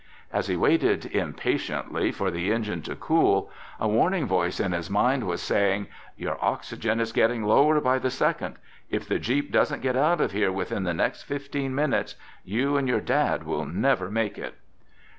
As he waited impatiently for the engine to cool, a warning voice in his mind was saying: "Your oxygen is getting lower by the second. If the jeep doesn't get out of here within the next fifteen minutes, you and your dad will never make it."